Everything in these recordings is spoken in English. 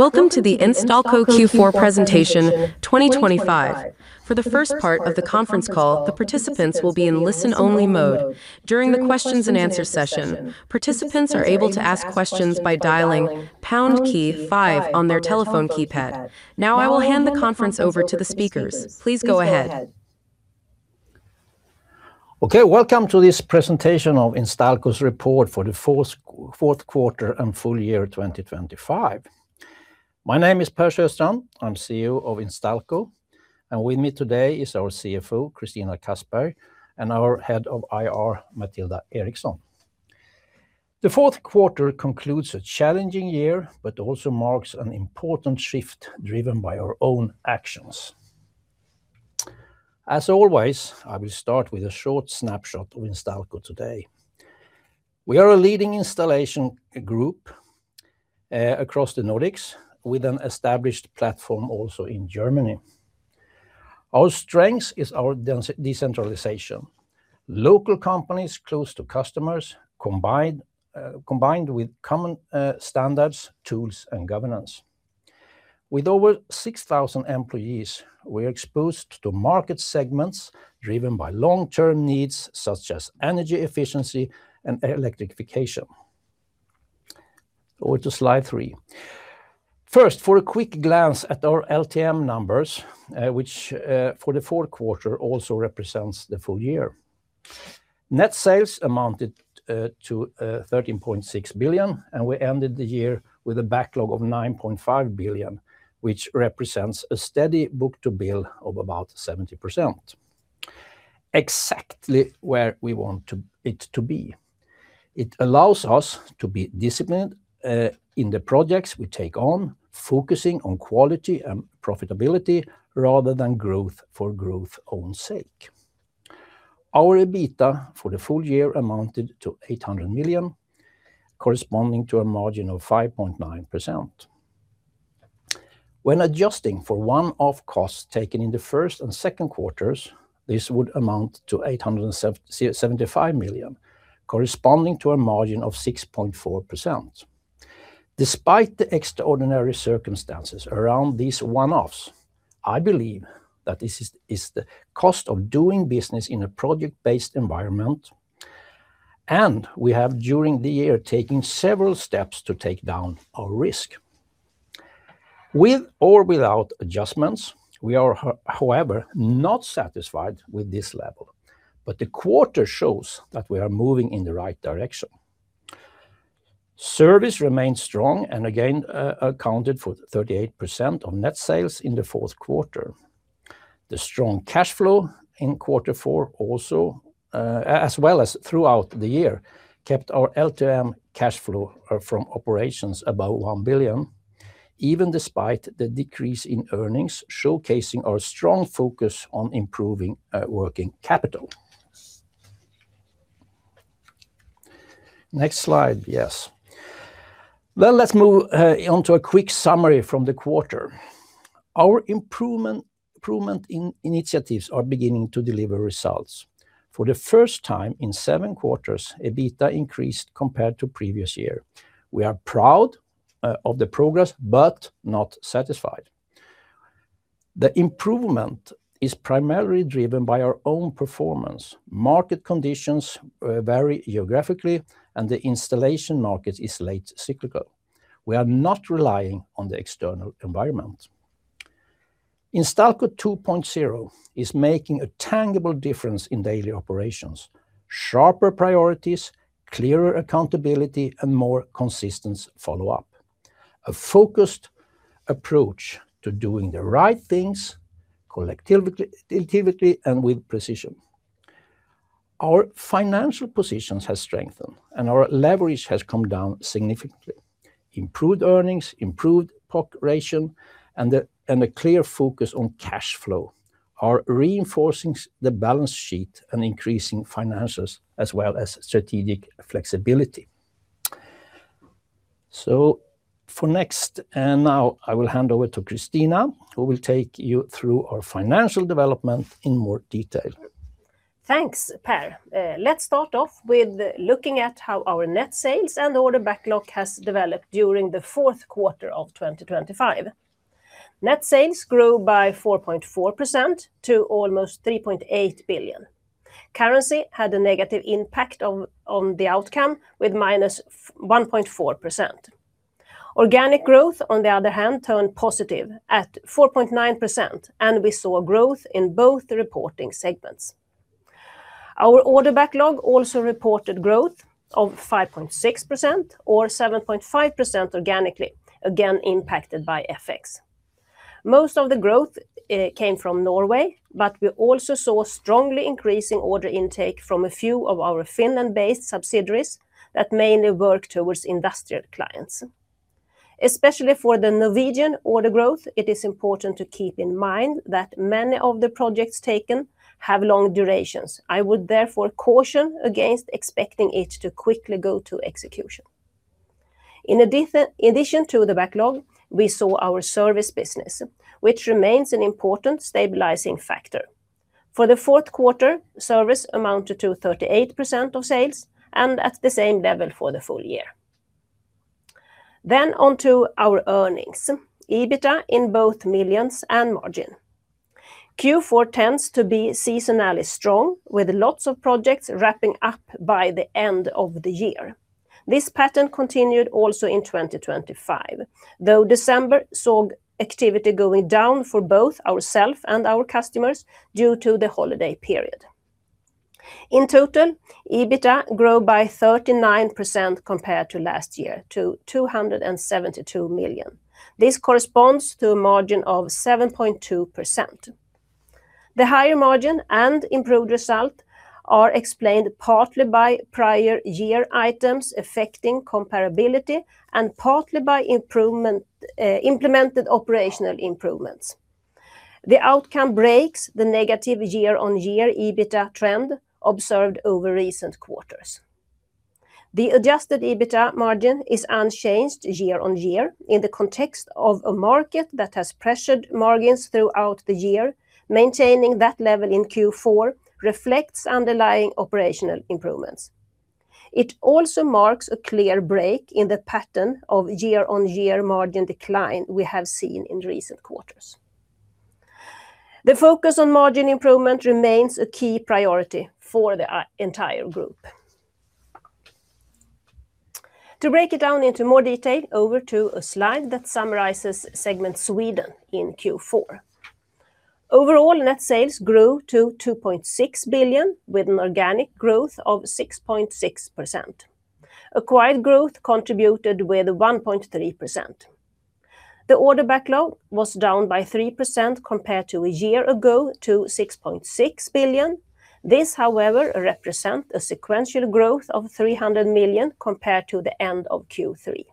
Welcome to the Instalco Q4 presentation, 2025. For the first part of the conference call, the participants will be in listen-only mode. During the questions and answers session, participants are able to ask questions by dialing pound key five on their telephone keypad. Now, I will hand the conference over to the speakers. Please go ahead. Okay, welcome to this presentation of Instalco's report for the fourth quarter and full year 2025. My name is Per Sjöstrand. I'm CEO of Instalco, and with me today is our CFO, Christina Kassberg, and our Head of IR, Mathilda Eriksson. The fourth quarter concludes a challenging year, but also marks an important shift driven by our own actions. As always, I will start with a short snapshot of Instalco today. We are a leading installation group across the Nordics, with an established platform also in Germany. Our strength is our decentralization. Local companies close to customers, combined with common standards, tools, and governance. With over 6,000 employees, we are exposed to market segments driven by long-term needs, such as energy efficiency and electrification. Over to slide 3. First, for a quick glance at our LTM numbers, which, for the fourth quarter also represents the full year. Net sales amounted to 13.6 billion, and we ended the year with a backlog of 9.5 billion, which represents a steady book-to-bill of about 70%. Exactly where we want it to be. It allows us to be disciplined in the projects we take on, focusing on quality and profitability rather than growth for growth own sake. Our EBITDA for the full year amounted to 800 million, corresponding to a margin of 5.9%. When adjusting for one-off costs taken in the first and second quarters, this would amount to 875 million, corresponding to a margin of 6.4%. Despite the extraordinary circumstances around these one-offs, I believe that this is the cost of doing business in a project-based environment, and we have during the year taken several steps to take down our risk. With or without adjustments, we are, however, not satisfied with this level, but the quarter shows that we are moving in the right direction. Service remains strong and again accounted for 38% of net sales in the fourth quarter. The strong cash flow in quarter four also as well as throughout the year kept our LTM cash flow from operations above 1 billion, even despite the decrease in earnings, showcasing our strong focus on improving working capital. Next slide, yes. Well, let's move onto a quick summary from the quarter. Our improvement in initiatives are beginning to deliver results. For the first time in seven quarters, EBITDA increased compared to previous year. We are proud of the progress, but not satisfied. The improvement is primarily driven by our own performance. Market conditions vary geographically, and the installation market is late cyclical. We are not relying on the external environment. Instalco 2.0 is making a tangible difference in daily operations: sharper priorities, clearer accountability, and more consistent follow-up. A focused approach to doing the right things collectively and with precision. Our financial positions has strengthened, and our leverage has come down significantly. Improved earnings, improved POC ratio, and a clear focus on cash flow are reinforcing the balance sheet and increasing financials as well as strategic flexibility. So for next, and now I will hand over to Christina, who will take you through our financial development in more detail. Thanks, Per. Let's start off with looking at how our net sales and order backlog has developed during the fourth quarter of 2025. Net sales grew by 4.4% to almost 3.8 billion. Currency had a negative impact on, on the outcome, with -1.4%. Organic growth, on the other hand, turned positive at 4.9%, and we saw growth in both the reporting segments. Our order backlog also reported growth of 5.6% or 7.5% organically, again, impacted by FX. Most of the growth came from Norway, but we also saw strongly increasing order intake from a few of our Finland-based subsidiaries that mainly work towards industrial clients. Especially for the Norwegian order growth, it is important to keep in mind that many of the projects taken have long durations. I would therefore caution against expecting it to quickly go to execution. In addition to the backlog, we saw our service business, which remains an important stabilizing factor. For the fourth quarter, service amounted to 38% of sales and at the same level for the full year. Then on to our earnings, EBITDA in both millions and margin. Q4 tends to be seasonally strong, with lots of projects wrapping up by the end of the year. This pattern continued also in 2025, though December saw activity going down for both ourselves and our customers due to the holiday period. In total, EBITDA grew by 39% compared to last year, to 272 million. This corresponds to a margin of 7.2%. The higher margin and improved result are explained partly by prior year items affecting comparability and partly by improvement, implemented operational improvements. The outcome breaks the negative year-on-year EBITDA trend observed over recent quarters. The adjusted EBITDA margin is unchanged year-on-year in the context of a market that has pressured margins throughout the year. Maintaining that level in Q4 reflects underlying operational improvements. It also marks a clear break in the pattern of year-on-year margin decline we have seen in recent quarters. The focus on margin improvement remains a key priority for the entire group. To break it down into more detail, over to a slide that summarizes Segment Sweden in Q4. Overall, net sales grew to 2.6 billion, with an organic growth of 6.6%. Acquired growth contributed with 1.3%. The order backlog was down by 3% compared to a year ago to 6.6 billion. This, however, represent a sequential growth of 300 million compared to the end of Q3.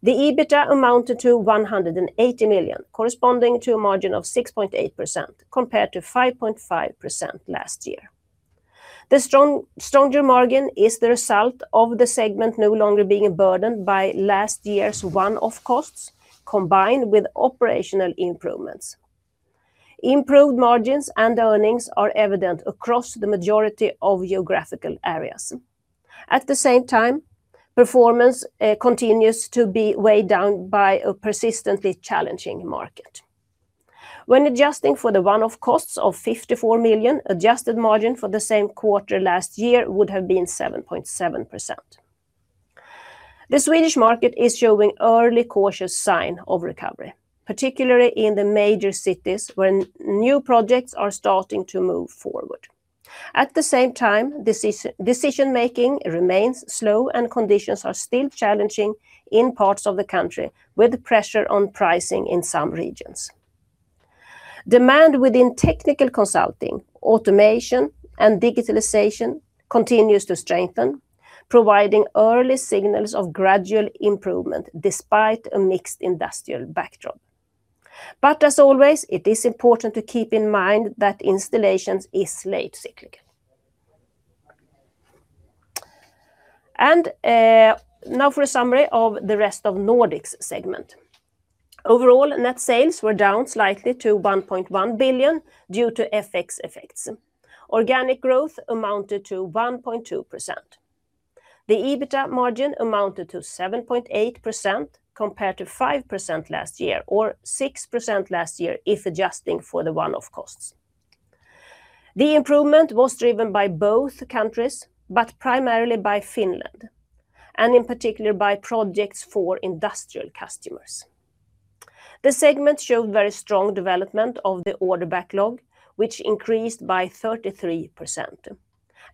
The EBITDA amounted to 180 million, corresponding to a margin of 6.8%, compared to 5.5% last year. The strong, stronger margin is the result of the segment no longer being burdened by last year's one-off costs, combined with operational improvements. Improved margins and earnings are evident across the majority of geographical areas. At the same time, performance continues to be weighed down by a persistently challenging market. When adjusting for the one-off costs of 54 million, adjusted margin for the same quarter last year would have been 7.7%. The Swedish market is showing early cautious sign of recovery, particularly in the major cities where new projects are starting to move forward. At the same time, decision making remains slow, and conditions are still challenging in parts of the country, with pressure on pricing in some regions. Demand within technical consulting, automation, and digitalization continues to strengthen, providing early signals of gradual improvement despite a mixed industrial backdrop. But as always, it is important to keep in mind that installations is late cyclical. Now for a summary of the Rest of Nordics segment. Overall, net sales were down slightly to 1.1 billion due to FX effects. Organic growth amounted to 1.2%. The EBITDA margin amounted to 7.8%, compared to 5% last year, or 6% last year, if adjusting for the one-off costs. The improvement was driven by both countries, but primarily by Finland, and in particular by projects for industrial customers. The segment showed very strong development of the order backlog, which increased by 33%.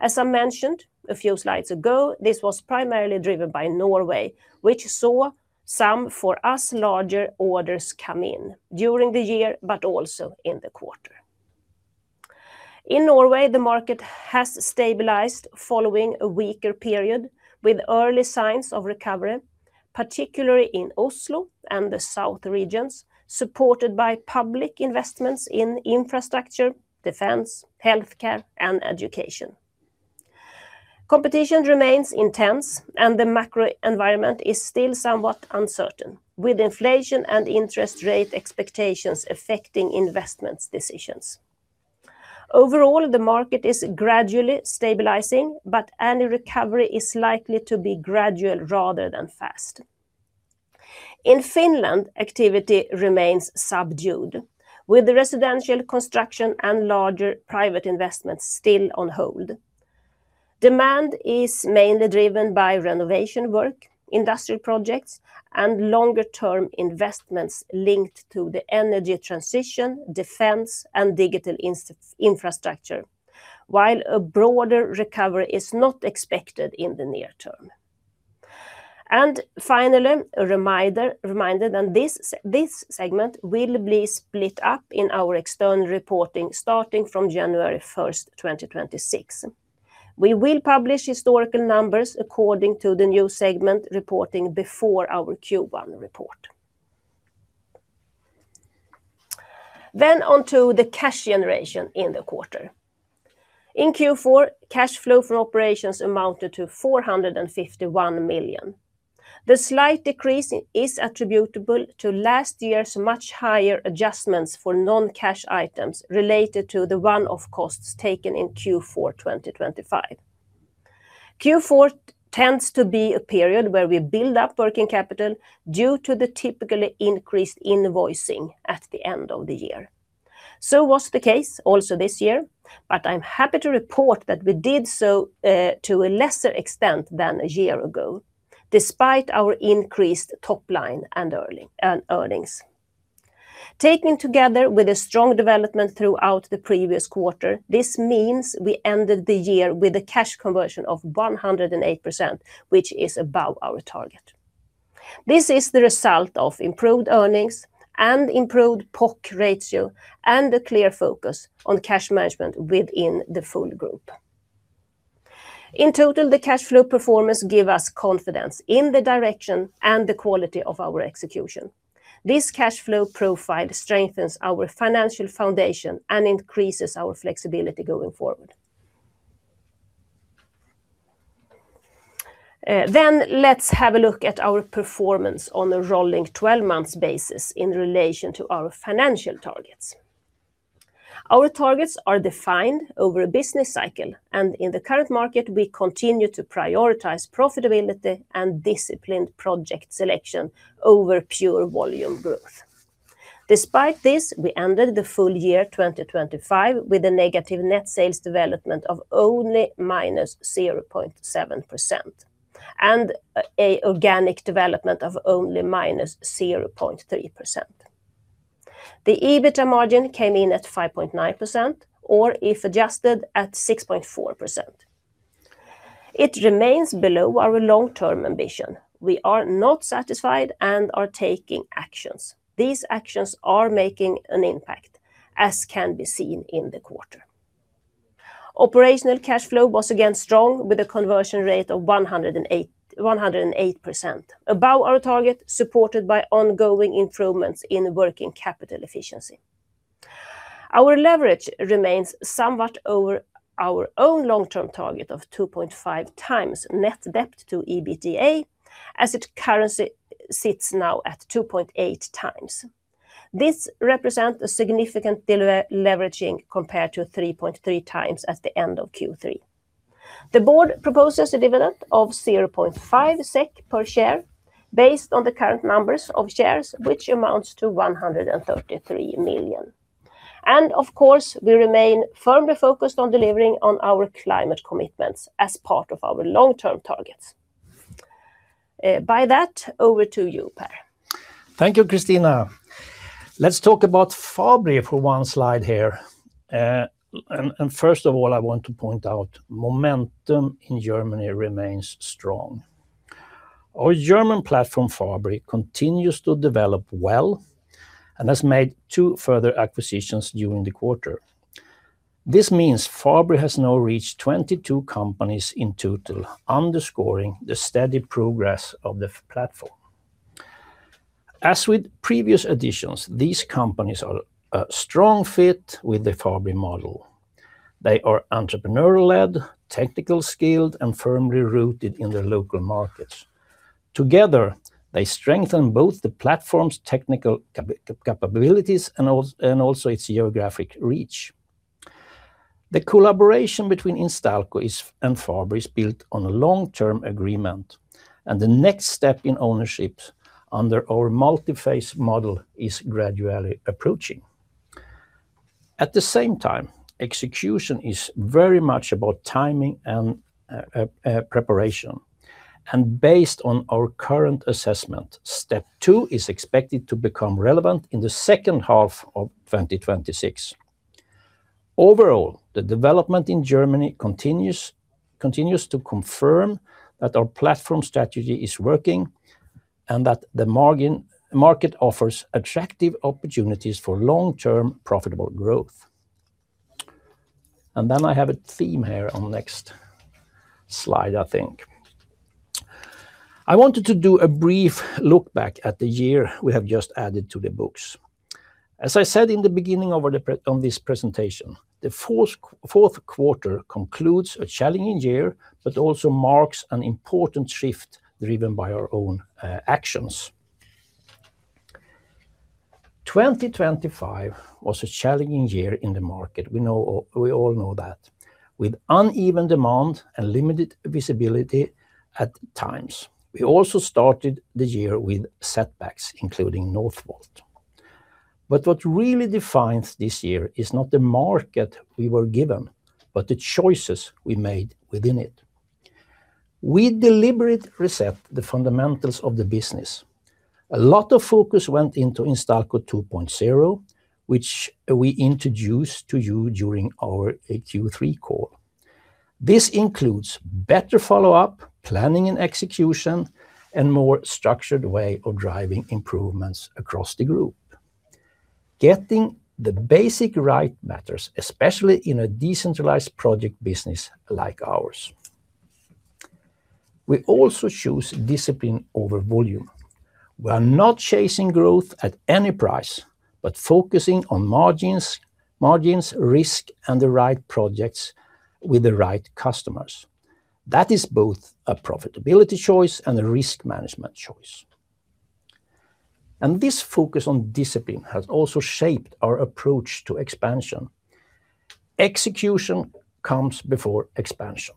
As I mentioned a few slides ago, this was primarily driven by Norway, which saw some, for us, larger orders come in during the year, but also in the quarter. In Norway, the market has stabilized following a weaker period, with early signs of recovery, particularly in Oslo and the south regions, supported by public investments in infrastructure, defense, healthcare, and education. Competition remains intense, and the macro environment is still somewhat uncertain, with inflation and interest rate expectations affecting investments decisions. Overall, the market is gradually stabilizing, but any recovery is likely to be gradual rather than fast. In Finland, activity remains subdued, with the residential construction and larger private investments still on hold. Demand is mainly driven by renovation work, industrial projects, and longer-term investments linked to the energy transition, defense, and digital infrastructure, while a broader recovery is not expected in the near term. Finally, a reminder that this segment will be split up in our external reporting starting from January 1, 2026. We will publish historical numbers according to the new segment reporting before our Q1 report. On to the cash generation in the quarter. In Q4, cash flow from operations amounted to 451 million. The slight decrease is attributable to last year's much higher adjustments for non-cash items related to the one-off costs taken in Q4 2025. Q4 tends to be a period where we build up working capital due to the typically increased invoicing at the end of the year. So was the case also this year, but I'm happy to report that we did so, to a lesser extent than a year ago, despite our increased top line and earning, and earnings. Taken together with a strong development throughout the previous quarter, this means we ended the year with a cash conversion of 108%, which is above our target. This is the result of improved earnings and improved POC ratio, and a clear focus on cash management within the full group. In total, the cash flow performance give us confidence in the direction and the quality of our execution. This cash flow profile strengthens our financial foundation and increases our flexibility going forward. Then let's have a look at our performance on a rolling 12-month basis in relation to our financial targets. Our targets are defined over a business cycle, and in the current market, we continue to prioritize profitability and disciplined project selection over pure volume growth. Despite this, we ended the full year 2025 with a negative net sales development of only -0.7%, and an organic development of only -0.3%. The EBITDA margin came in at 5.9%, or if adjusted, at 6.4%. It remains below our long-term ambition. We are not satisfied and are taking actions. These actions are making an impact, as can be seen in the quarter. Operational cash flow was again strong, with a conversion rate of 108%, above our target, supported by ongoing improvements in working capital efficiency. Our leverage remains somewhat over our own long-term target of 2.5 times net debt to EBITDA, as it currently sits now at 2.8 times. This represents a significant deleveraging compared to 3.3 times at the end of Q3. The board proposes a dividend of 0.5 SEK per share, based on the current numbers of shares, which amounts to 133 million SEK. Of course, we remain firmly focused on delivering on our climate commitments as part of our long-term targets. By that, over to you, Per. Thank you, Christina. Let's talk about Fabri for one slide here. And first of all, I want to point out, momentum in Germany remains strong. Our German platform, Fabri, continues to develop well and has made 2 further acquisitions during the quarter. This means Fabri has now reached 22 companies in total, underscoring the steady progress of the platform. As with previous additions, these companies are a strong fit with the Fabri model. They are entrepreneurial-led, technical skilled, and firmly rooted in their local markets. Together, they strengthen both the platform's technical capabilities and also its geographic reach. The collaboration between Instalco and Fabri is built on a long-term agreement, and the next step in ownership under our multi-phase model is gradually approaching. At the same time, execution is very much about timing and preparation, and based on our current assessment, step two is expected to become relevant in the second half of 2026. Overall, the development in Germany continues to confirm that our platform strategy is working, and that the market offers attractive opportunities for long-term, profitable growth. Then I have a theme here on the next slide, I think. I wanted to do a brief look back at the year we have just added to the books. As I said in the beginning of the presentation, the fourth quarter concludes a challenging year, but also marks an important shift driven by our own actions. 2025 was a challenging year in the market. We know, we all know that. With uneven demand and limited visibility at times, we also started the year with setbacks, including Northvolt. But what really defines this year is not the market we were given, but the choices we made within it. We deliberately reset the fundamentals of the business. A lot of focus went into Instalco 2.0, which we introduced to you during our Q3 call. This includes better follow-up, planning and execution, and more structured way of driving improvements across the group. Getting the basics right matters, especially in a decentralized project business like ours. We also choose discipline over volume. We are not chasing growth at any price, but focusing on margins, margins, risk, and the right projects with the right customers. That is both a profitability choice and a risk management choice. And this focus on discipline has also shaped our approach to expansion. Execution comes before expansion.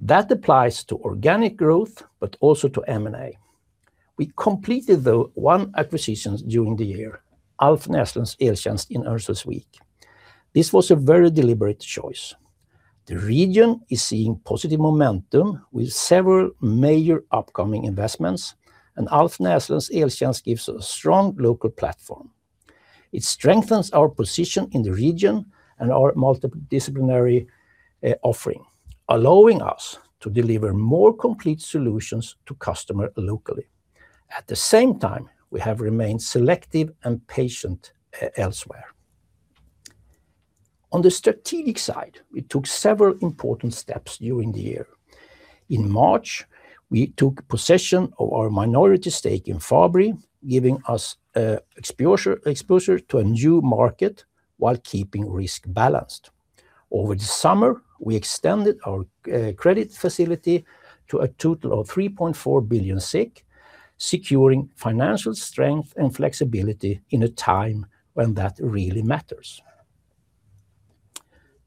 That applies to organic growth, but also to M&A. We completed one acquisition during the year, Alf Näslunds Eltjänst in Örnsköldsvik. This was a very deliberate choice. The region is seeing positive momentum with several major upcoming investments, and Alf Näslunds Eltjänst gives us a strong local platform. It strengthens our position in the region and our multidisciplinary offering, allowing us to deliver more complete solutions to customer locally. At the same time, we have remained selective and patient elsewhere. On the strategic side, we took several important steps during the year. In March, we took possession of our minority stake in Fabri, giving us exposure to a new market while keeping risk balanced. Over the summer, we extended our credit facility to a total of 3.4 billion, securing financial strength and flexibility in a time when that really matters.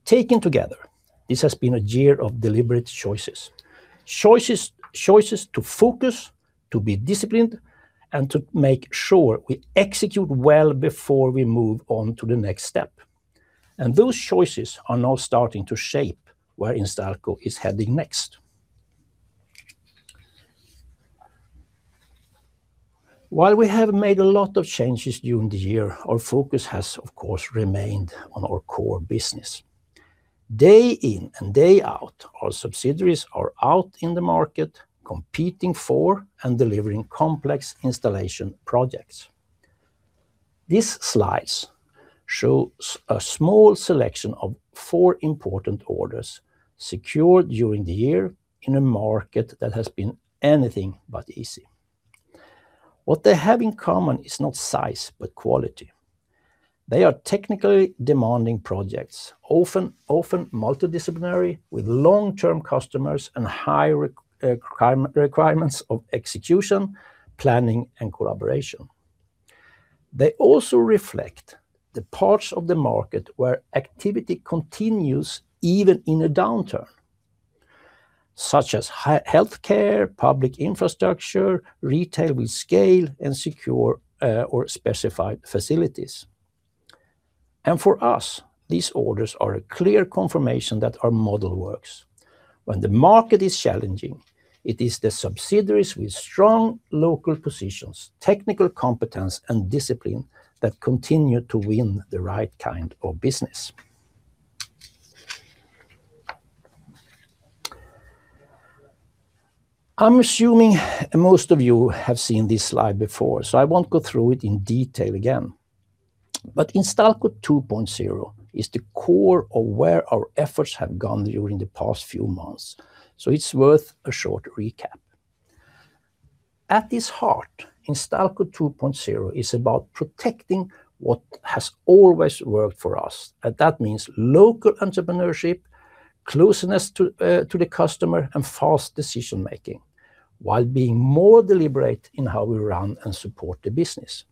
Taken together, this has been a year of deliberate choices. Choices, choices to focus, to be disciplined, and to make sure we execute well before we move on to the next step. Those choices are now starting to shape where Instalco is heading next. While we have made a lot of changes during the year, our focus has, of course, remained on our core business. Day in and day out, our subsidiaries are out in the market, competing for and delivering complex installation projects. This slide shows a small selection of four important orders secured during the year in a market that has been anything but easy. What they have in common is not size, but quality. They are technically demanding projects, often multidisciplinary, with long-term customers and high requirements of execution, planning, and collaboration. They also reflect the parts of the market where activity continues even in a downturn, such as healthcare, public infrastructure, retail with scale, and secure or specified facilities. And for us, these orders are a clear confirmation that our model works. When the market is challenging, it is the subsidiaries with strong local positions, technical competence, and discipline that continue to win the right kind of business. I'm assuming most of you have seen this slide before, so I won't go through it in detail again. But Instalco 2.0 is the core of where our efforts have gone during the past few months, so it's worth a short recap. At its heart, Instalco 2.0 is about protecting what has always worked for us, and that means local entrepreneurship, closeness to, to the customer, and fast decision-making, while being more deliberate in how we run and support the business.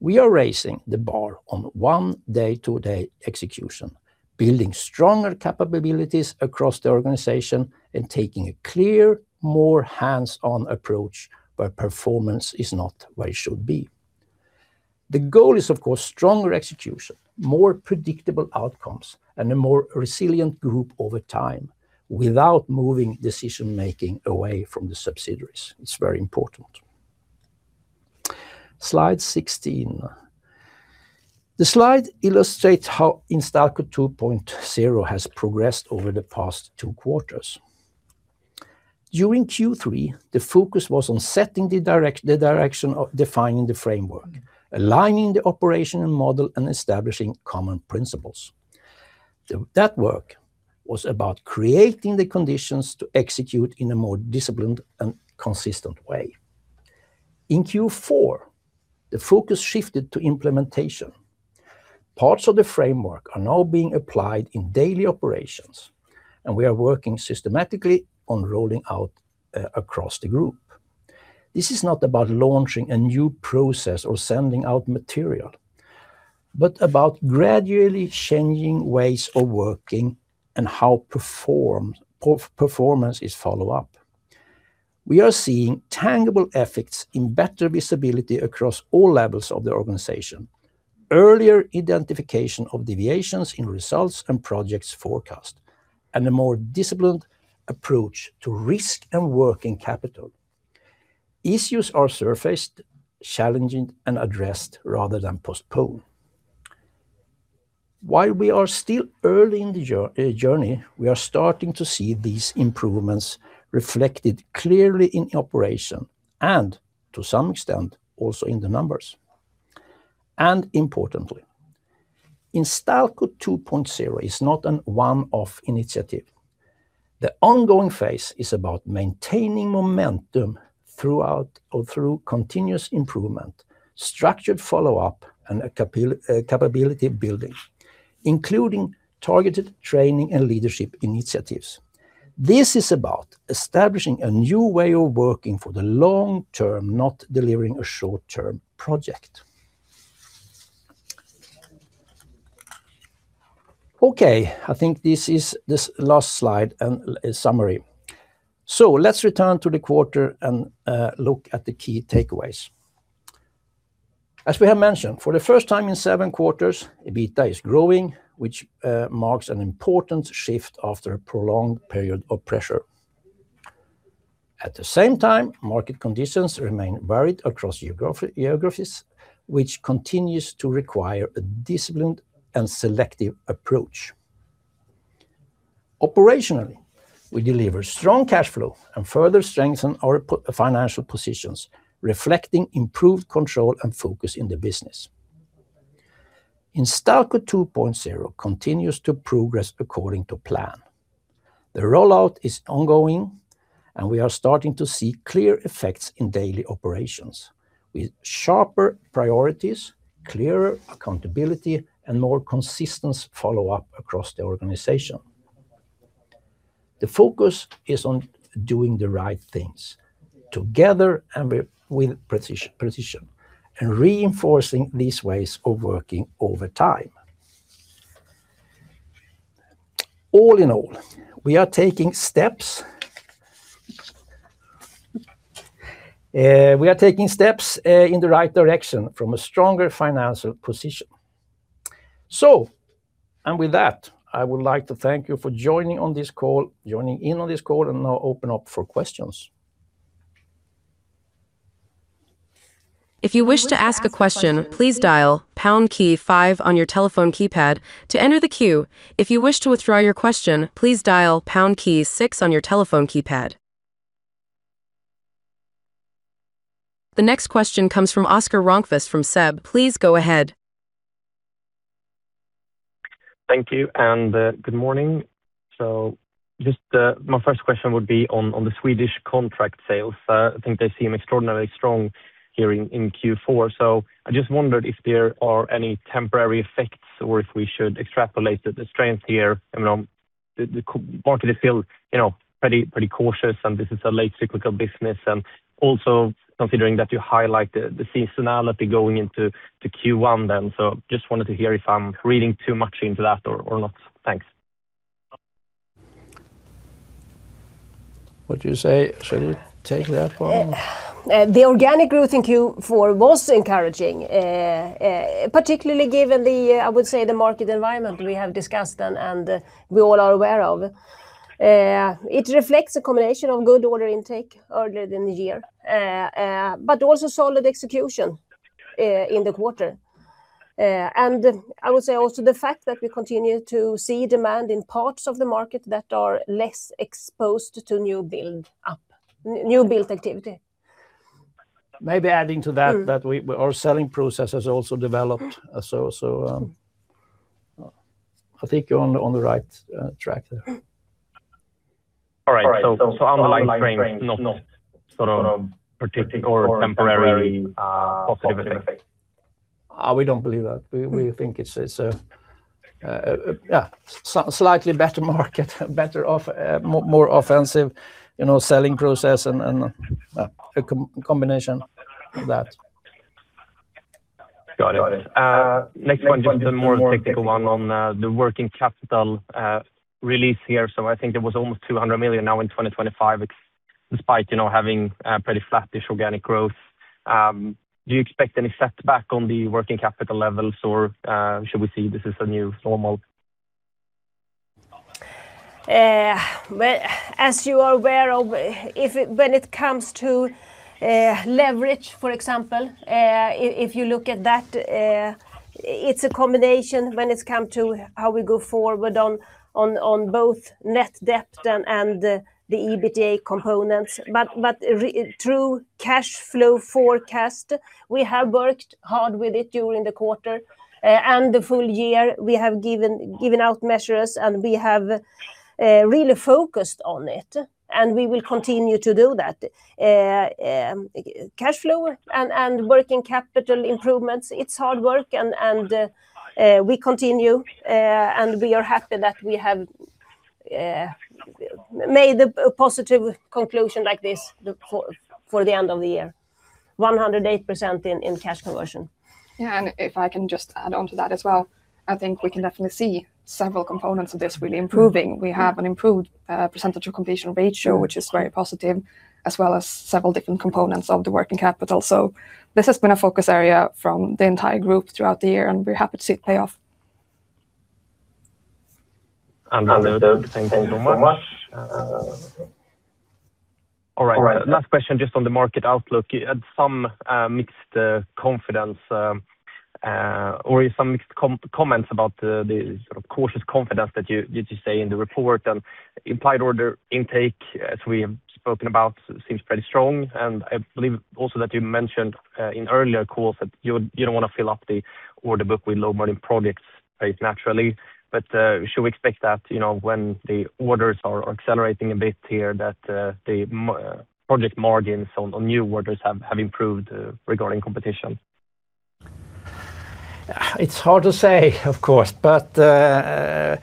We are raising the bar on one day-to-day execution, building stronger capabilities across the organization, and taking a clear, more hands-on approach where performance is not where it should be. The goal is, of course, stronger execution, more predictable outcomes, and a more resilient group over time, without moving decision-making away from the subsidiaries. It's very important. Slide 16. The slide illustrates how Instalco 2.0 has progressed over the past 2 quarters. During Q3, the focus was on setting the direction of defining the framework, aligning the operational model, and establishing common principles. That work was about creating the conditions to execute in a more disciplined and consistent way. In Q4, the focus shifted to implementation. Parts of the framework are now being applied in daily operations, and we are working systematically on rolling out across the group. This is not about launching a new process or sending out material, but about gradually changing ways of working and how performance is follow up. We are seeing tangible effects in better visibility across all levels of the organization, earlier identification of deviations in results and projects forecast, and a more disciplined approach to risk and working capital. Issues are surfaced, challenged, and addressed rather than postponed. While we are still early in the journey, we are starting to see these improvements reflected clearly in operation and, to some extent, also in the numbers. Importantly, Instalco 2.0 is not a one-off initiative. The ongoing phase is about maintaining momentum throughout or through continuous improvement, structured follow-up, and capability building, including targeted training and leadership initiatives. This is about establishing a new way of working for the long term, not delivering a short-term project. Okay, I think this is this last slide and, summary. So let's return to the quarter and, look at the key takeaways. As we have mentioned, for the first time in seven quarters, EBITDA is growing, which, marks an important shift after a prolonged period of pressure. At the same time, market conditions remain varied across geographies, which continues to require a disciplined and selective approach. Operationally, we deliver strong cash flow and further strengthen our financial positions, reflecting improved control and focus in the business. Instalco 2.0 continues to progress according to plan. The rollout is ongoing, and we are starting to see clear effects in daily operations, with sharper priorities, clearer accountability, and more consistent follow-up across the organization. The focus is on doing the right things together and with precision, and reinforcing these ways of working over time. All in all, we are taking steps in the right direction from a stronger financial position. And with that, I would like to thank you for joining in on this call, and now open up for questions. If you wish to ask a question, please dial pound key five on your telephone keypad to enter the queue. If you wish to withdraw your question, please dial pound key six on your telephone keypad. The next question comes from Oscar Rönnkvist from SEB. Please go ahead. Thank you, and good morning. So just my first question would be on, on the Swedish contract sales. I think they seem extraordinarily strong here in Q4. So I just wondered if there are any temporary effects or if we should extrapolate the, the strength here. I mean, the construction market is feeling, you know, pretty, pretty cautious, and this is a late cyclical business, and also considering that you highlight the, the seasonality going into the Q1 then. So just wanted to hear if I'm reading too much into that or, or not. Thanks. What do you say? Should you take that one? The organic growth in Q4 was encouraging. Particularly given the, I would say, the market environment we have discussed and we all are aware of. It reflects a combination of good order intake earlier in the year, but also solid execution in the quarter. And I would say also the fact that we continue to see demand in parts of the market that are less exposed to new build-up, new build activity. Maybe adding to that. Mm. That we, our selling process has also developed. Mm. So, I think you're on the right track there. Mm. All right. So underlying frame, not sort of particular or temporary positivity. We don't believe that. We think it's a slightly better market, better off, more offensive, you know, selling process and a combination of that. Got it. Next one, just a more technical one on the working capital release here. So I think there was almost 200 million now in 2025, despite you know, having pretty flattish organic growth. Do you expect any setback on the working capital levels, or should we see this as a new normal? Well, as you are aware of, when it comes to leverage, for example, if you look at that, it's a combination when it's come to how we go forward on both net debt and the EBITDA components, but through cash flow forecast, we have worked hard with it during the quarter and the full year. We have given out measures, and we have really focused on it, and we will continue to do that. Cash flow and working capital improvements, it's hard work, and we continue, and we are happy that we have made a positive conclusion like this for the end of the year. 108% in cash conversion. Yeah, and if I can just add on to that as well, I think we can definitely see several components of this really improving. We have an improved percentage of completion ratio, which is very positive, as well as several different components of the working capital. So this has been a focus area from the entire group throughout the year, and we're happy to see it pay off. Understood. Thank you so much. All right, last question, just on the market outlook. You had some mixed confidence or some mixed comments about the sort of cautious confidence that you just say in the report, and implied order intake, as we have spoken about, seems pretty strong. And I believe also that you mentioned in earlier calls that you don't want to fill up the order book with low margin projects, right, naturally. But should we expect that, you know, when the orders are accelerating a bit here, that the project margins on new orders have improved regarding competition? It's hard to say, of course, but it's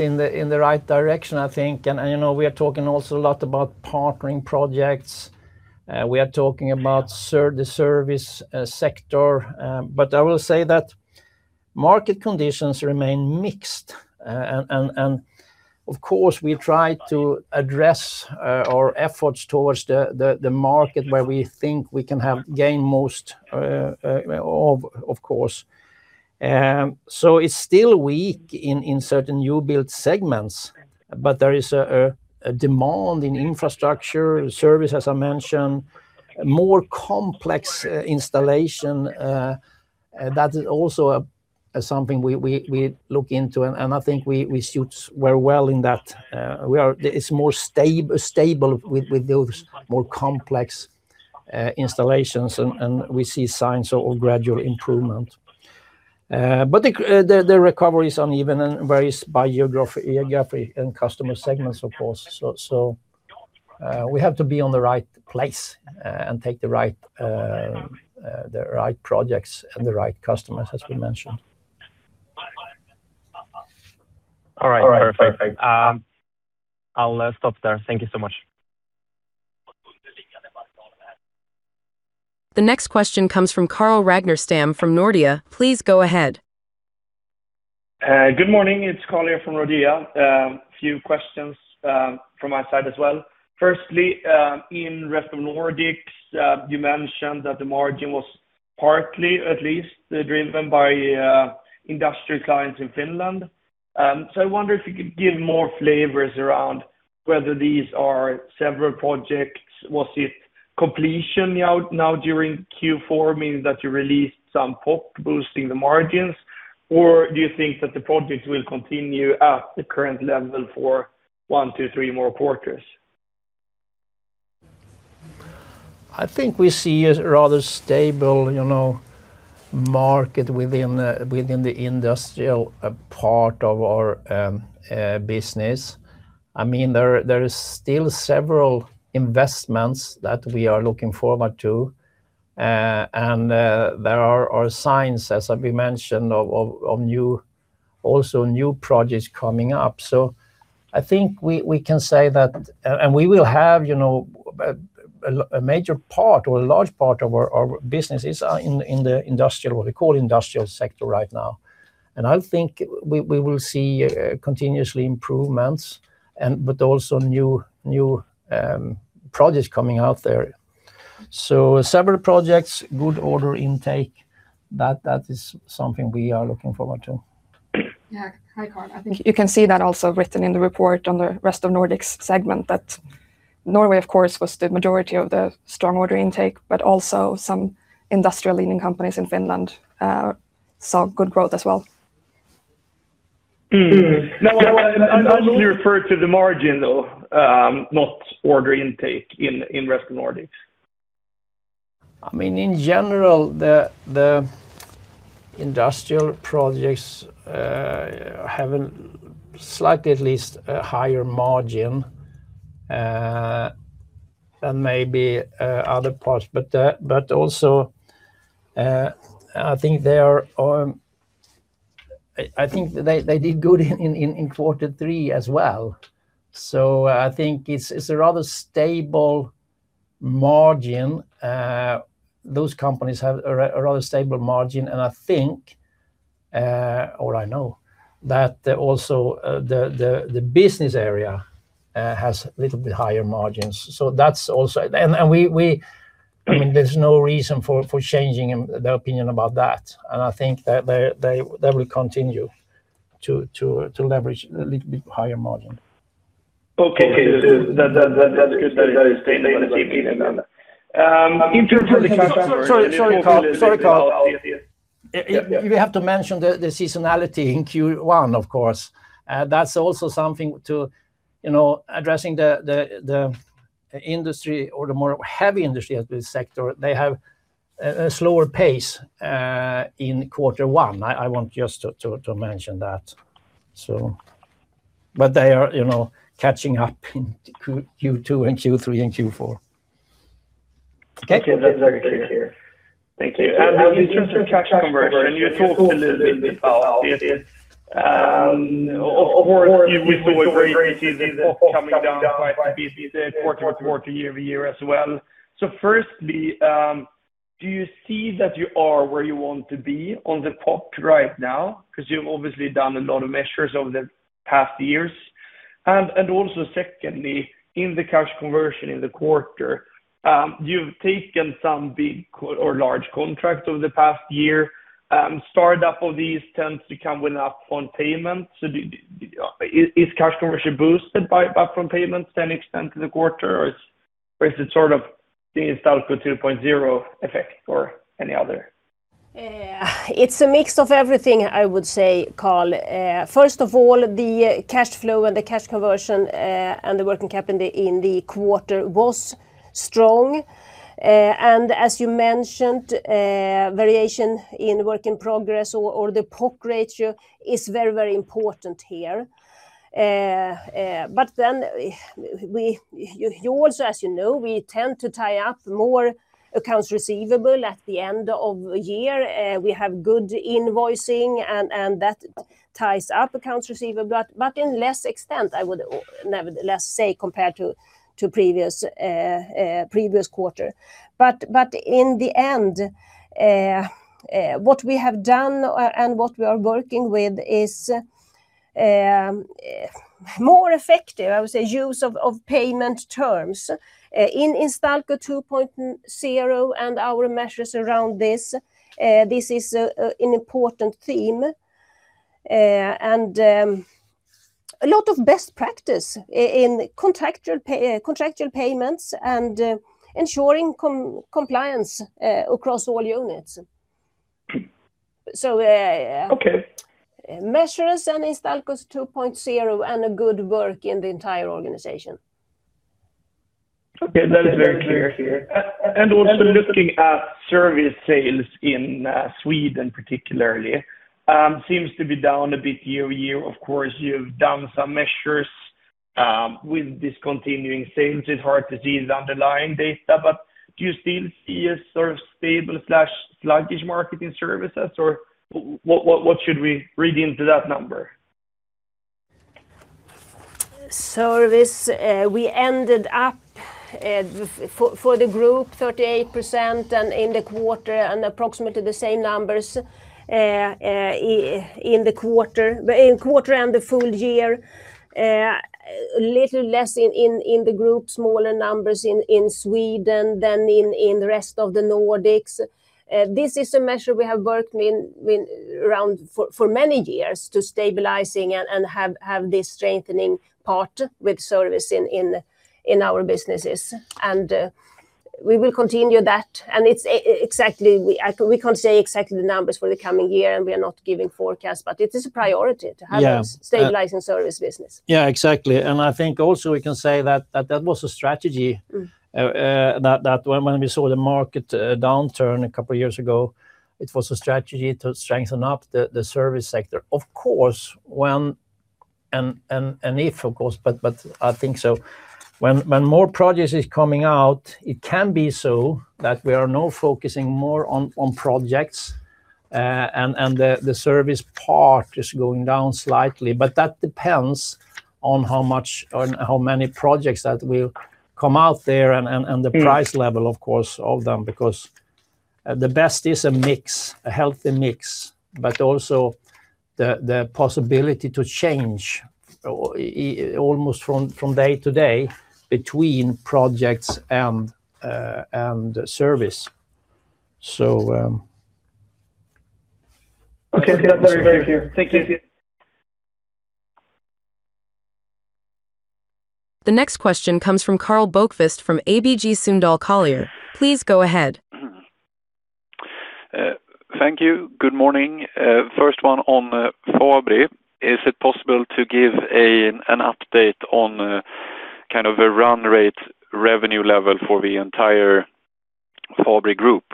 in the right direction, I think. And, you know, we are talking also a lot about partnering projects. We are talking about the service sector. But I will say that market conditions remain mixed. And of course, we try to address our efforts towards the market where we think we can have gain most, of course. So it's still weak in certain new build segments, but there is a demand in infrastructure service, as I mentioned, more complex installation. That is also something we look into, and I think we suit very well in that. It's more stable with those more complex installations, and we see signs of gradual improvement. But the recovery is uneven and varies by geography and customer segments, of course. We have to be on the right place, and take the right projects and the right customers, as we mentioned. All right. Perfect. I'll stop there. Thank you so much. The next question comes from Carl Ragnerstam from Nordea. Please go ahead. Good morning. It's Carl here from Nordea. A few questions from my side as well. Firstly, in Rest of Nordics, you mentioned that the margin was partly at least driven by industry clients in Finland. So I wonder if you could give more flavors around whether these are several projects. Was it completion now during Q4, meaning that you released some POC, boosting the margins? Or do you think that the project will continue at the current level for one to three more quarters? I think we see a rather stable, you know, market within the industrial part of our business. I mean, there is still several investments that we are looking forward to. And there are signs, as we mentioned, of also new projects coming up. So I think we can say that, and we will have, you know, a major part or a large part of our businesses are in the industrial, we call industrial sector right now. And I think we will see continuously improvements and but also new projects coming out there. So several projects, good order intake, that is something we are looking forward to. Yeah. Hi, Carl. I think you can see that also written in the report on the Rest of Nordics segment, that Norway, of course, was the majority of the strong order intake, but also some industrial leading companies in Finland saw good growth as well. Mm-hmm. No, I mostly refer to the margin, though, not order intake in Rest of Nordics. I mean, in general, the industrial projects have a slightly, at least, a higher margin than maybe other parts. But, but also, I think they are I think they did good in quarter three as well. So I think it's a rather stable margin. Those companies have a rather stable margin, and I think, or I know, that also the business area has a little bit higher margins. So that's also. And we I mean, there's no reason for changing the opinion about that, and I think that they will continue to leverage a little bit higher margin. Okay. That, that, that's good. That is stable and then, in terms of the- Sorry, sorry, Carl. Sorry, Carl. Yeah. We have to mention the seasonality in Q1, of course. That's also something to, you know, addressing the industry or the more heavy industry as the sector. They have a slower pace in quarter one. I want just to mention that. So, but they are, you know, catching up in Q2 and Q3 and Q4. Okay. That's very clear. Thank you. In terms of cash conversion, you talked a little bit about it. Of course, we saw a very busy POC coming down quite a bit quarter-over-quarter, year-over-year as well. So firstly, do you see that you are where you want to be on the POC right now? Because you've obviously done a lot of measures over the past years. And also secondly, in the cash conversion in the quarter, you've taken some big or large contracts over the past year. Startup of these tends to come with upfront payments. So, is cash conversion boosted by upfront payments then extended to the quarter, or is it sort of the Instalco 2.0 effect or any other? It's a mix of everything I would say, Carl. First of all, the cash flow and the cash conversion and the working capital in the quarter was strong. And as you mentioned, variation in work in progress or the POC ratio is very, very important here. But then, you also, as you know, we tend to tie up more accounts receivable at the end of a year. We have good invoicing and that ties up accounts receivable, but in less extent, I would nevertheless say compared to previous, previous quarter. But in the end, what we have done and what we are working with is more effective, I would say, use of payment terms in Instalco 2.0 and our measures around this. This is an important theme. And a lot of best practice in contractual payments and ensuring compliance across all units. So- Okay. Measures and Instalco 2.0, and a good work in the entire organization. Okay, that is very clear here. And also looking at service sales in Sweden, particularly, seems to be down a bit year-over-year. Of course, you've done some measures with discontinuing sales. It's hard to see the underlying data, but do you still see a sort of stable/sluggish market in services, or what should we read into that number? Service, we ended up for the group, 38%, and in the quarter, and approximately the same numbers in the quarter, but in quarter and the full year, a little less in the group, smaller numbers in Sweden than in the rest of the Nordics. This is a measure we have worked in around for many years to stabilizing and have this strengthening part with service in our businesses. We will continue that, and it's exactly we can't say exactly the numbers for the coming year, and we are not giving forecasts, but it is a priority- Yeah To have a stabilizing service business. Yeah, exactly. And I think also we can say that was a strategy- Mm. That when we saw the market downturn a couple of years ago, it was a strategy to strengthen the service sector. Of course, when and if, of course, but I think so when more projects is coming out, it can be so that we are now focusing more on projects, and the service part is going down slightly, but that depends on how much, how many projects that will come out there and the price level, of course, of them, because the best is a mix, a healthy mix, but also the possibility to change almost from day to day between projects and service. So Okay, that's very, very clear. Thank you. The next question comes from Karl Bokvist from ABG Sundal Collier. Please go ahead. Thank you. Good morning. First one on Fabri. Is it possible to give an update on kind of a run rate revenue level for the entire Fabri group?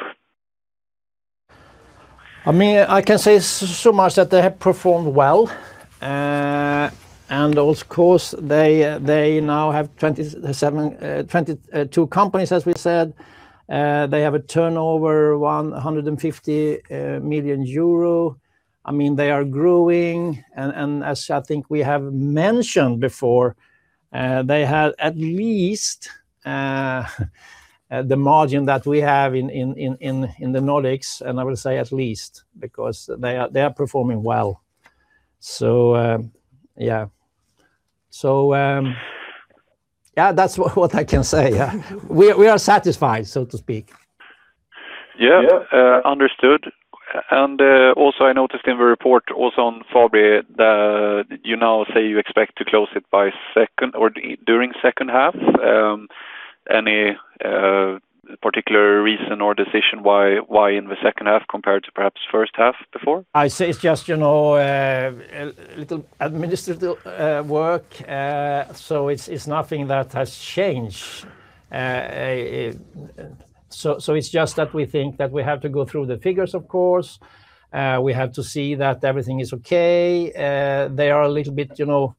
I mean, I can say so much that they have performed well, and of course, they now have 27, 22 companies, as we said. They have a turnover, 150 million euro. I mean, they are growing, and as I think we have mentioned before, they have at least the margin that we have in the Nordics, and I will say at least, because they are performing well. So, yeah. So, yeah, that's what I can say. We are satisfied, so to speak. Yeah. Yeah. Understood. Also, I noticed in the report also on Fabri, that you now say you expect to close it by second or during second half. Any particular reason or decision why, why in the second half compared to perhaps first half before? I say it's just, you know, little administrative work. So it's nothing that has changed. So it's just that we think that we have to go through the figures, of course. We have to see that everything is okay. They are a little bit, you know,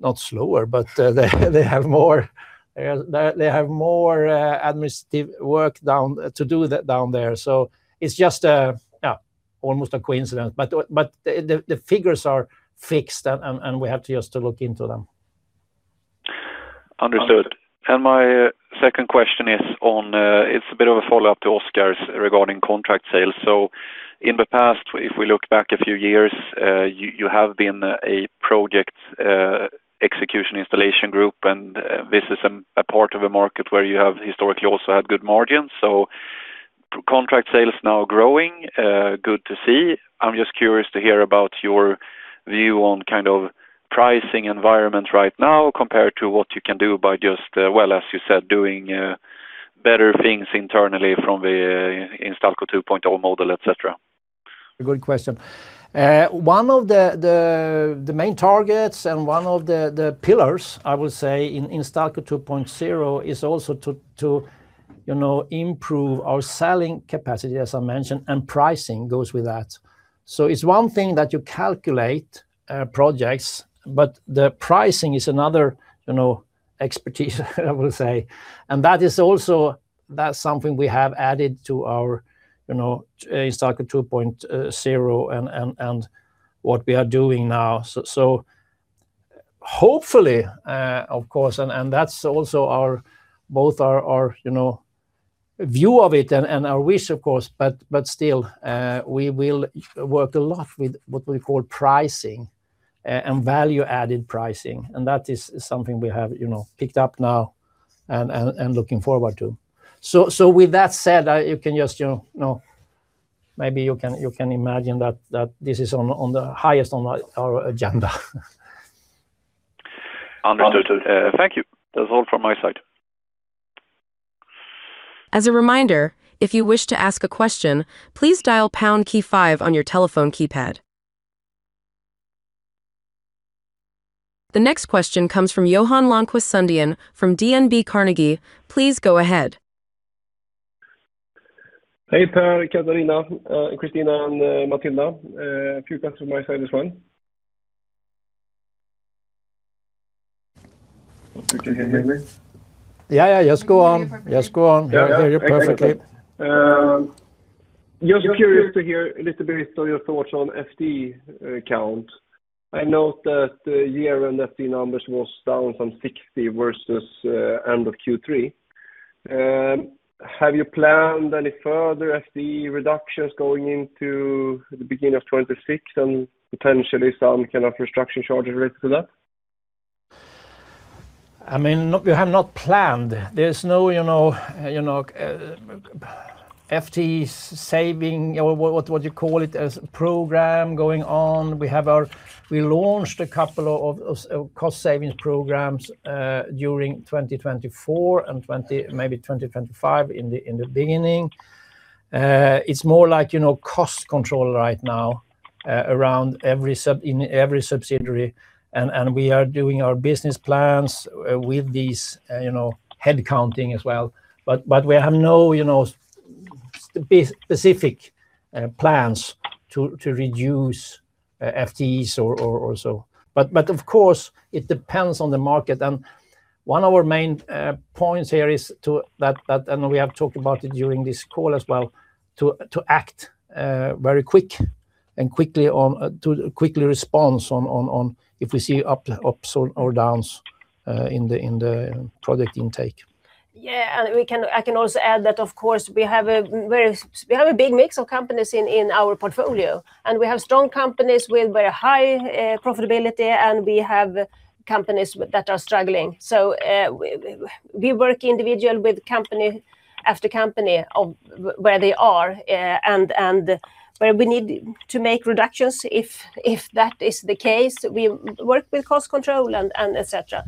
not slower, but they have more administrative work down to do down there. So it's just yeah, almost a coincidence, but the figures are fixed, and we have to just to look into them. Understood. And my second question is on, it's a bit of a follow-up to Oscar's regarding contract sales. So in the past, if we look back a few years, you, you have been a project execution installation group, and this is a part of a market where you have historically also had good margins. Contract sales now growing, good to see. I'm just curious to hear about your view on kind of pricing environment right now compared to what you can do by just, well, as you said, doing better things internally from the Instalco 2.0 model, et cetera. Good question. One of the main targets and one of the pillars, I would say, in Instalco 2.0, is also to you know, improve our selling capacity, as I mentioned, and pricing goes with that. So it's one thing that you calculate projects, but the pricing is another you know, expertise, I will say. And that is also, that's something we have added to our you know, Instalco 2.0 and what we are doing now. So hopefully, of course, and that's also our both our you know, view of it and our wish, of course, but still we will work a lot with what we call pricing and value-added pricing, and that is something we have you know, picked up now and looking forward to. With that said, you can just, you know, maybe you can imagine that this is on the highest on our agenda. Understood. Thank you. That's all from my side. As a reminder, if you wish to ask a question, please dial pound key five on your telephone keypad. The next question comes from Johan Lundqvist from DNB Markets. Please go ahead. Hey, Per, Christina, and Mathilda, a few questions from my side, this one. You can hear me? Yeah, yeah, just go on. Yeah. Just go on. I hear you perfectly. Just curious to hear a little bit of your thoughts on FTE account. I note that the year-end FTE numbers was down from 60 versus end of Q3. Have you planned any further FTE reductions going into the beginning of 2026 and potentially some kind of restructure charges related to that? I mean, no, we have not planned. There's no, you know, FTE savings or what you call it as program going on. We have our. We launched a couple of cost savings programs during 2024 and, maybe 2025 in the beginning. It's more like, you know, cost control right now around every sub in every subsidiary, and we are doing our business plans with these, you know, head counting as well. But we have no, you know, specific plans to reduce FTEs or so. But of course, it depends on the market, and one of our main points here is that, and we have talked about it during this call as well, to act very quick and quickly on, to quickly respond on if we see ups or downs in the product intake. Yeah, and I can also add that, of course, we have a very, we have a big mix of companies in, in our portfolio, and we have strong companies with very high profitability, and we have companies with that are struggling. So, we work individual with company after company of where they are, and, and where we need to make reductions, if, if that is the case, we work with cost control and, and et cetera.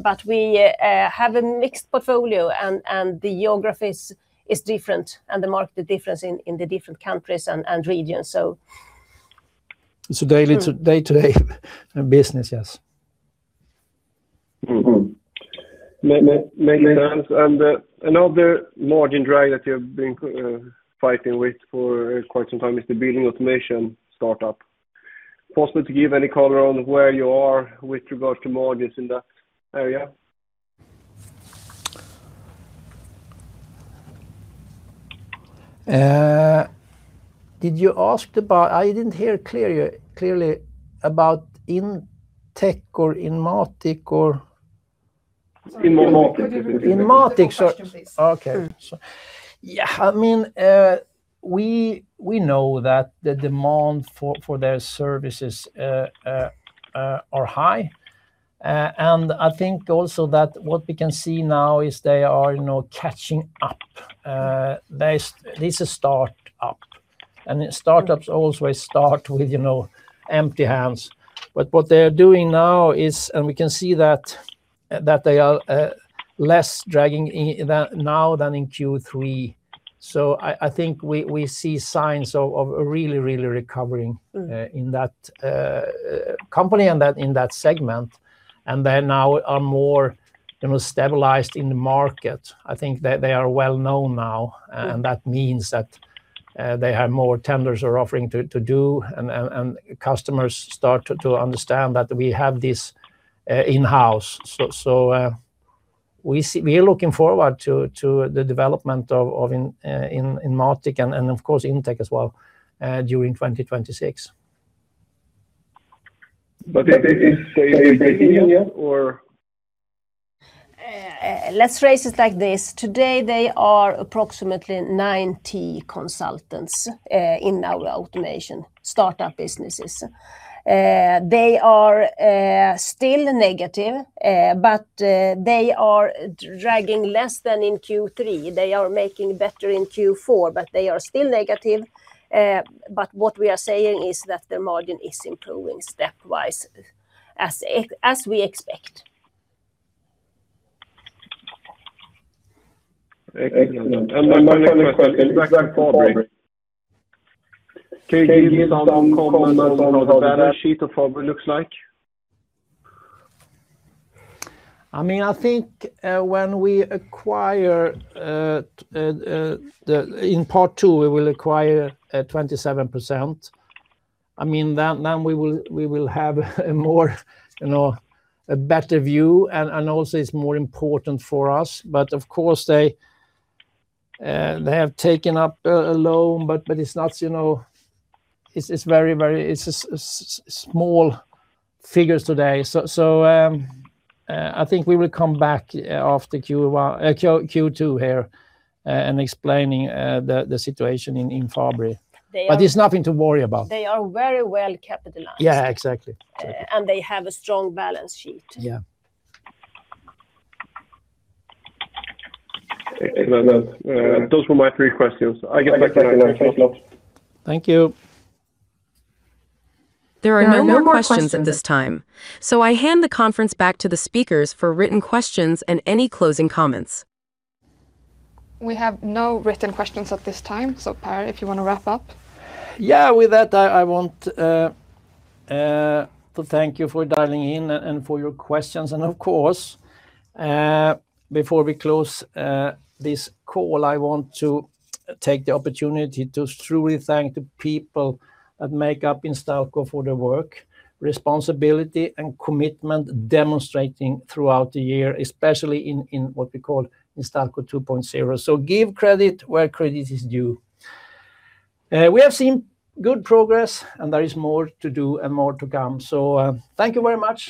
But we have a mixed portfolio and, and the geographies is different, and the market difference in, in the different countries and, and regions, so. It's a daily, day-to-day business, yes. Mm-hmm. Makes sense. And another margin drag that you've been fighting with for quite some time is the building automation startup. Possible to give any color on where you are with regard to margins in that area? Did you ask about I didn't hear you clearly about Intec or Inmatic or? Inmatic. Inmatic. Repeat the question, please. Okay. So yeah, I mean, we, we know that the demand for, for their services are high. And I think also that what we can see now is they are, you know, catching up. They, this is a startup, and startups always start with, you know, empty hands. But what they are doing now is, and we can see that, that they are less dragging than now than in Q3. So I, I think we, we see signs of, of a really, really recovering- Mm. In that company and that in that segment, and they now are more, you know, stabilized in the market. I think they are well known now, and that means that they have more tenders are offering to do, and customers start to understand that we have this in-house. So we are looking forward to the development of Inmatic and of course, Intec as well during 2026. But is they in yet, or? Let's phrase it like this, today they are approximately 90 consultants in our automation startup businesses. They are still negative, but they are dragging less than in Q3. They are making better in Q4, but they are still negative. But what we are saying is that the margin is improving stepwise as we expect. Excellent. My next question is back to Fabri. Can you give me some comments on what the balance sheet of Fabri looks like? I mean, I think when we acquire then in part two, we will acquire 27%. I mean, then we will have a more, you know, a better view, and also it's more important for us. But of course, they have taken up a loan, but it's not, you know. It's very, very small figures today. So, I think we will come back after Q1, Q2 here, and explaining the situation in Fabri. They are- But it's nothing to worry about. They are very well capitalized. Yeah, exactly. They have a strong balance sheet. Yeah. Excellent. Those were my three questions. I get back to you. Thank you. Thank you. There are no more questions at this time, so I hand the conference back to the speakers for written questions and any closing comments. We have no written questions at this time, so Per, if you want to wrap up? Yeah. With that, I want to thank you for dialing in and for your questions. And of course, before we close this call, I want to take the opportunity to truly thank the people that make up Instalco for their work, responsibility, and commitment, demonstrating throughout the year, especially in what we call Instalco 2.0. So give credit where credit is due. We have seen good progress, and there is more to do and more to come. So, thank you very much.